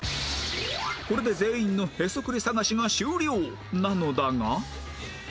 これで全員のへそくり探しが終了なのだが